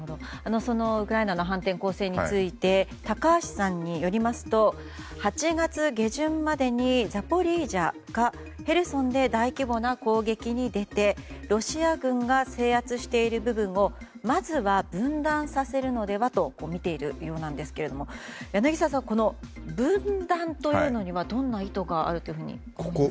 ウクライナの反転攻勢について高橋さんによりますと８月下旬までにザポリージャか、ヘルソンで大規模な攻撃に出てロシア軍が制圧している部分をまずは分断させるのではとみているようなんですが柳澤さんは、分断というのにはどんな意図があるとみますか。